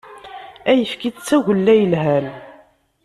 Ayekfi d tagella yelhan.